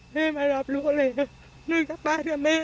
เจ้าป่าวผมกลับบ้านกับแม่